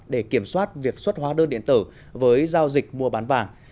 để kiểm soát việc xuất hóa đơn điện tử với giao dịch mua bán vàng